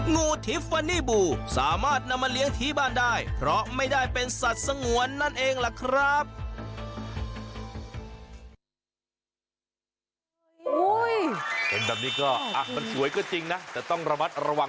งูทิฟฟานีบูสามารถนำมาเลี้ยงที่บ้านได้เพราะไม่ได้เป็นสัตว์สงวนนั่นเองล่ะครับ